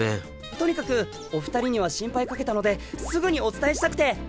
とにかくお二人には心配かけたのですぐにお伝えしたくて！